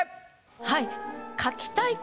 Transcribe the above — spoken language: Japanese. はい。